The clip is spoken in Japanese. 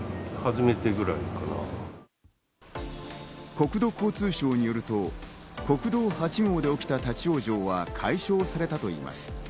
国土交通省によると、国道８号で起きた立ち往生は解消されたといいます。